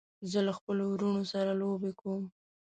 زه له خپلو وروڼو سره لوبې کوم.